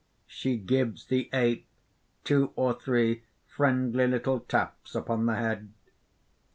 (_She gives the ape two or three friendly little taps upon the head.